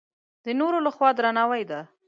د نورو له خوا درناوی ده.